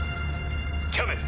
キャメル！